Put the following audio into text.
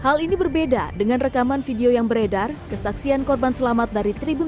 hal ini berbeda dengan rekaman video yang beredar kesaksian korban selamat dari tribun